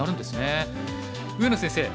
上野先生